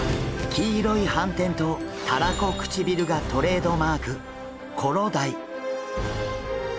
黄色い斑点とたらこ唇がトレードマークコロダイ。